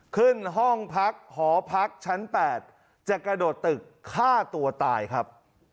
ขึ้นห้องพักหอพักชั้น๘จะกระโดดตึกฆ่าตัวตายครับ